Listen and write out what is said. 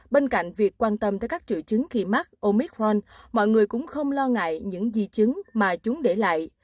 bên cạnh việc quan tâm tới các triệu chứng khi mắc omic ron mọi người cũng không lo ngại những di chứng mà chúng để lại